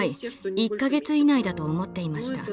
１か月以内だと思っていました。